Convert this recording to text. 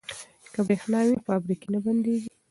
که بریښنا وي نو فابریکې نه بندیږي.